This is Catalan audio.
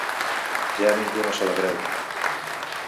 Ja ningú no se la creu.